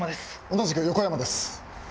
同じく横山です。